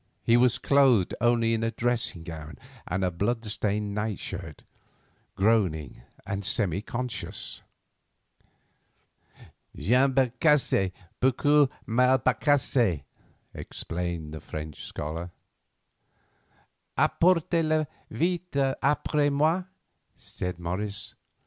He was clothed only in a dressing gown and a blood stained nightshirt, groaning and semi unconscious. "Jambe cassé, beaucoup mal cassé," explained the French scholar. "Apportez le vite après moi," said Morris.